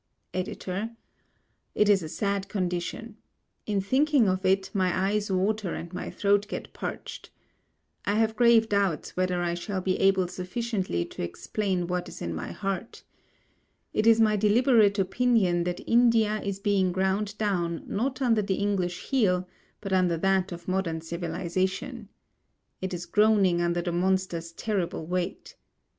EDITOR: It is a sad condition. In thinking of it, my eyes water and my throat get parched. I have grave doubts whether I shall be able sufficiently to explain what is in my heart. It is my deliberate opinion that India is being ground down not under the English heel but under that of modern civilization. It is groaning under the monster's terrible weight.